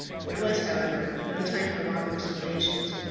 There was, however, no time for long explanations.